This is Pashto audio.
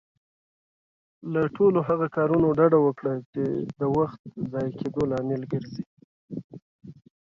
له ټولو هغه کارونه ډډه وکړه، چې د وخت ضايع کيدو لامل ګرځي.